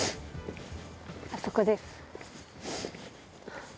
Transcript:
あそこです。